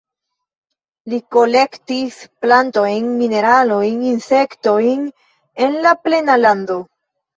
Li kolektis plantojn, mineralojn, insektojn en la plena lando.